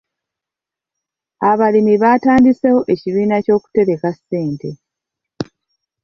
Abalimi batandiseewo ekibiina ky'okutereka ssente.